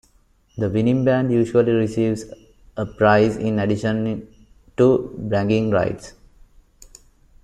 The winning band usually receives a prize in addition to bragging rights.